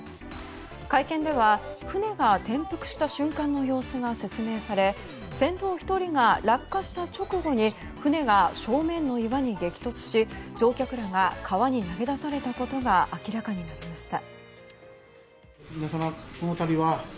会見では船が転覆した瞬間の様子が説明され船頭１人が落下した直後に船が正面の岩に激突し乗客らが川に投げ出されたことが明らかになりました。